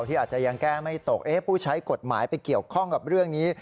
ที่อาจจะยังแก้ไม่ตกผู้ใช้กฎหมายไปเกี่ยวข้องกับเรื่องนี้